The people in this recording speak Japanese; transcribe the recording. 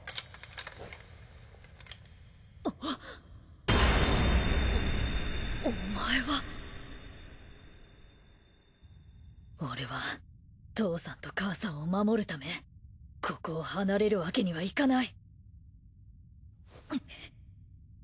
あっお前は俺は父さんと母さんを守るためここを離れるわけにはいかない